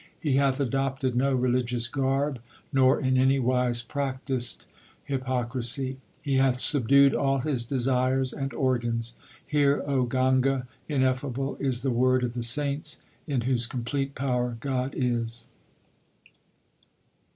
He hath adopted no religious garb nor in any wise practised hypocrisy ; he hath subdued all his desires and organs. Hear, O Ganga, 1 ineffable is the word of the saints in whose complete power God is.